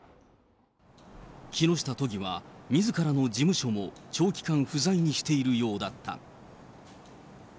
木下都議はみずからの事務所も長期間不在にしているようだった。